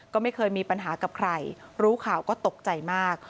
ก็ไม่เคยมีปัญหากับใครรู้ข่าวก็ตกใจมาก